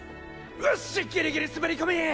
うっしギリギリ滑り込み！